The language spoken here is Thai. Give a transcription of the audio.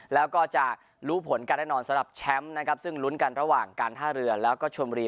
แล้วก็จะรู้ผลการแน่นอนสำหรับแชมป์นะครับซึ่งลุ้นกันระหว่างการท่าเรือแล้วก็ชวนบุรี